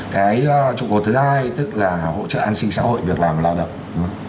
cái trụ cột thứ hai tức là hỗ trợ an sinh xã hội việc làm lao động